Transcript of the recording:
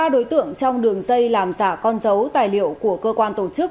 ba đối tượng trong đường dây làm giả con dấu tài liệu của cơ quan tổ chức